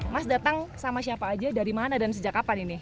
mas datang sama siapa aja dari mana dan sejak kapan ini